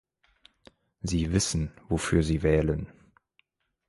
Sie wissen, wofür sie wählen.